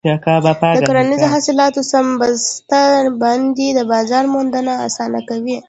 د کرنیزو حاصلاتو سم بسته بندي د بازار موندنه اسانه کوي.